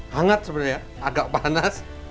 hangat sebenarnya agak panas